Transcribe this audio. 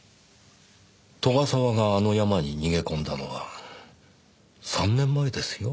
斗ヶ沢があの山に逃げ込んだのは３年前ですよ。